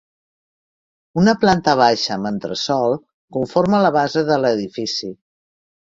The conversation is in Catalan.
Una planta baixa amb entresòl conforma la base de l'edifici.